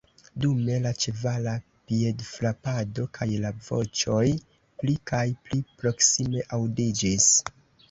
Dume la ĉevala piedfrapado kaj la voĉoj pli kaj pli proksime aŭdiĝis.